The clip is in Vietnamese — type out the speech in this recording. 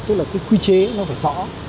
tức là cái quy chế nó phải rõ